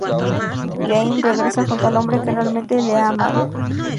Jane regresa junto al hombre que realmente le ha amado.